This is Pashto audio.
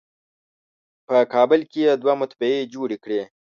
په کابل کې یې دوه مطبعې جوړې کړې.